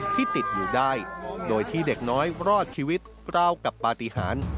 ที่ติดอยู่ได้โดยที่เด็กน้อยรอดชีวิตราวกับปฏิหาร